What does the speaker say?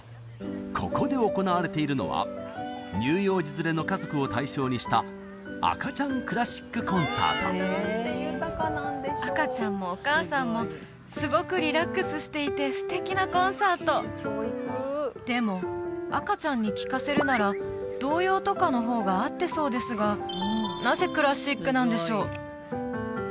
ここで行われているのは乳幼児連れの家族を対象にした赤ちゃんもお母さんもすごくリラックスしていて素敵なコンサートでも赤ちゃんに聴かせるなら童謡とかの方が合ってそうですがなぜクラシックなんでしょう？